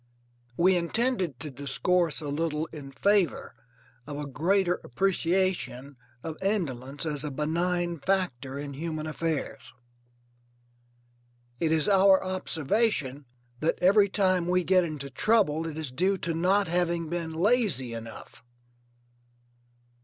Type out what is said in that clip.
We intended to discourse a little in favour of a greater appreciation of Indolence as a benign factor in human affairs. It is our observation that every time we get into trouble it is due to not having been lazy enough.